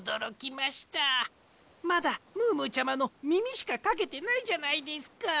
まだムームーちゃまのみみしかかけてないじゃないですか！